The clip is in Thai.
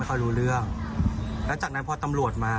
เขารู้เรื่องแล้วจากนั้นพอตำรวจมา